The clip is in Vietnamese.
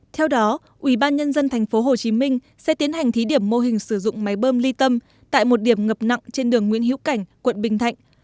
theo đó ủy ban nhân dân thành phố hồ chí minh sẽ tiến hành thí điểm mô hình sử dụng máy bơm ly tâm tại một điểm ngập nặng trên đường nguyễn hiếu cảnh quận bình thạnh